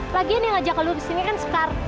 lagian yang ngajak lo disini kan sekar